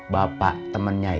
bapak temennya itu